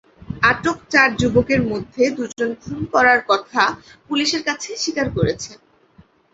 আটক চার যুবকের মধ্যে দুজন খুন করার কথা পুলিশের কাছে স্বীকার করেছেন।